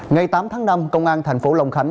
ngày tám tháng năm công an tp long khánh